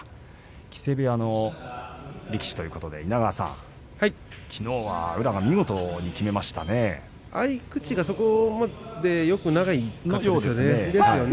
木瀬部屋の力士ということで稲川さん、きのうは宇良が合い口がそこまでよくなかったですよね。